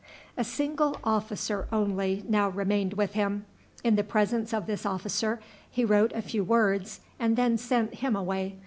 A single officer only now remained with him. In the presence of this officer he wrote a few words, and then sent him away.